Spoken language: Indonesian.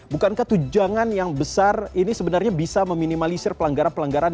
bukankah tujangan yang besar ini sebenarnya bisa meminimalisir pelanggaran pelanggaran